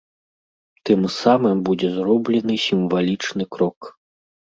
Тым самым будзе зроблены сімвалічны крок.